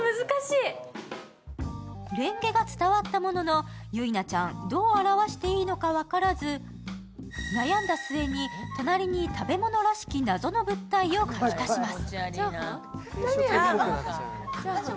れんげが伝わったもののゆいなちゃん、どう表していいか分からず悩んだ末に隣に食べ物らしき謎の物体を描き足します。